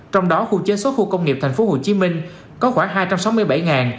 trong đó khu chế số khu công nghiệp tp hcm có khoảng hai trăm sáu mươi bảy